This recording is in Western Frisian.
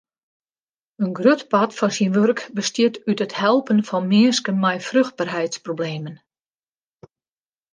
In grut part fan syn wurk bestiet út it helpen fan minsken mei fruchtberheidsproblemen.